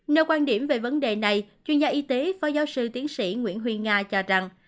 nêu quan điểm về vấn đề này chuyên gia y tế phó giáo sư tiến sĩ nguyễn huy nga cho rằng